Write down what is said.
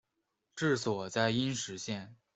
治所在阴石县。